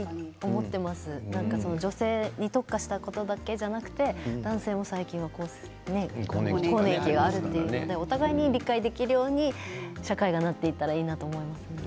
女性に特化したことだけではなくて男性も最近は更年期があるというのでお互いに理解できるように社会がなっていったらいいなと思いますね。